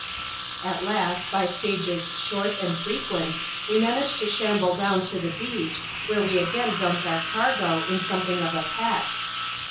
At last, by stages short and frequent, we managed to shamble down to the beach, where we again dumped our cargo, in some thing of a pet.